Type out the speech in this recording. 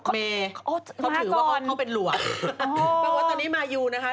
เมย์เขาถือว่าเขาเป็นหลวงปรากฏว่าตอนนี้มายูนะคะ